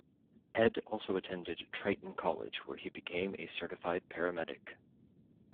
Ed also attended Triton College where he became a certified paramedic.